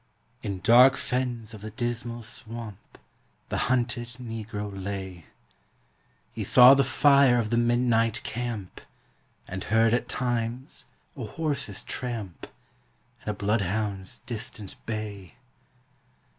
In dark fens of the Dismal Swamp The hunted Negro lay; He saw the fire of the midnight camp, And heard at times a horse's tramp And a bloodhound's distant bay.